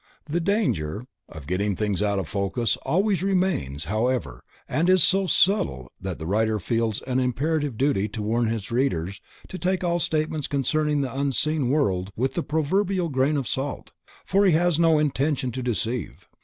The danger of getting things out of focus always remains however and is so subtle that the writer feels an imperative duty to warn his readers to take all statements concerning the unseen world with the proverbial grain of salt, for he has no intention to deceive.